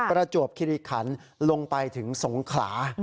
ประจวบคิริขันลงไปถึงสงขลา